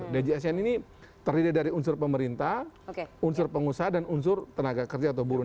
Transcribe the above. djsn ini terdiri dari unsur pemerintah unsur pengusaha dan unsur tenaga kerja atau buruh